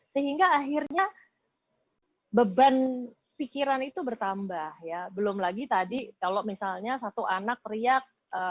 sehingga akhirnya beban pikiran itu bertambah ya belum lagi tadi kalau misalnya satu anak teriak